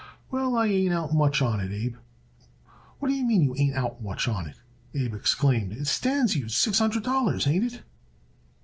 "Well, I ain't out much on it, Abe." "What d'ye mean you ain't out much on it?" Abe exclaimed. "It stands you in six hundred dollars, ain't it?"